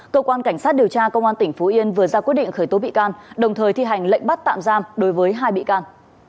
cơ quan cảnh sát điều tra công an tỉnh phú yên vừa ra quyết định khởi tố bị can đồng thời thi hành lệnh bắt tạm giam đối với hai bị can